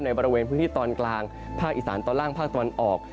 บริเวณพื้นที่ตอนกลางภาคอีสานตอนล่างภาคตะวันออก